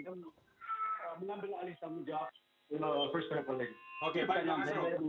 karena kita sekarang